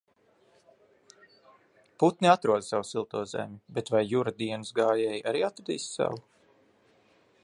Putni atrod savu silto zemi, bet vai Jura dienas gājēji arī atradīs savu?